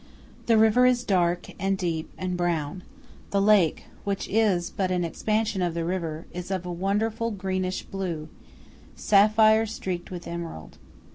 The river is dark, and deep, and brown; the lake, which is but an expansion of the river, is of a wonderful greenish blue–sapphire streaked with emerald.